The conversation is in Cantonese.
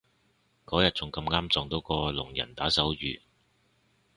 嗰日仲咁啱撞到有個聾人打手語